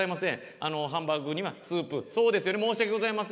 あのハンバーグにはスープそうですよね申し訳ございません。